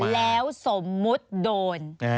แล้วสมมุติโดน